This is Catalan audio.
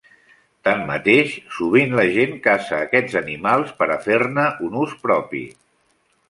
Tanmateix, sovint la gent caça aquests animals per a fer-ne un ús propi.